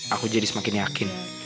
aku jadi semakin yakin